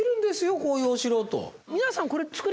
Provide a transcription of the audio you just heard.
こういうお城をと。